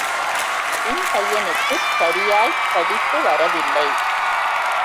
என் பையனுக்குச் சரியாய்ப் படிப்பு வரவில்லை.